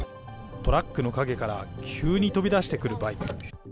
トラックの陰から、急に飛び出してくるバイク。